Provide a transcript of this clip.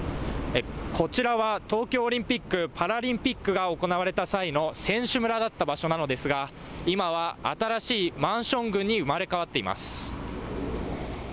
こちらは東京オリンピック・パラリンピックが行われた際の選手村だった場所なのですが今は新しいマンション群に生まれ変わっています。